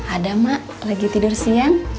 ada mak lagi tidur siang